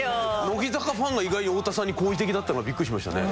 乃木坂ファンが意外に太田さんに好意的だったのがビックリしましたね。